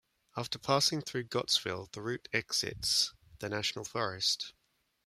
After passing through Gottsville, the route exits the national forest.